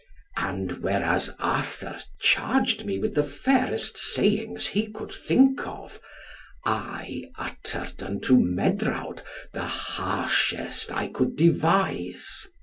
And whereas Arthur charged me with the fairest sayings he could think of, I uttered unto Medrawd the harshest I could devise.